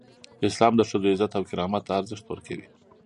اسلام د ښځو عزت او کرامت ته ارزښت ورکوي.